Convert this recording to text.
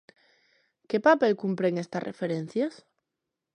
Que papel cumpren estas referencias?